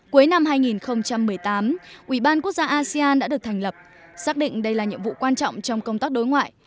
cuối năm hai nghìn một mươi tám ủy ban quốc gia asean đã được thành lập xác định đây là nhiệm vụ quan trọng trong công tác đối ngoại